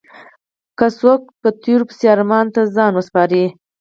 که څوک په تېرو پسې ارمان ته ځان وسپاري.